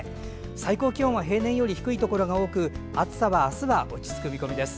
最高気温は平年より低いところが多く暑さはあすは落ち着く見込みです。